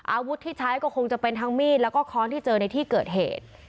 อาวุธที่ใช้ก็คงจะเป็นทั้งมีดแล้วก็ค้อนที่เจอในที่เกิดเหตุ